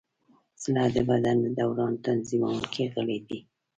زړه د بدن د دوران تنظیمونکی غړی دی.